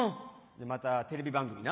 じゃまたテレビ番組な。